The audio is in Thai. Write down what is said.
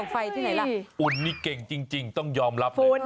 ฝุ่นนี่เก่งจริงต้องยอมรับเลย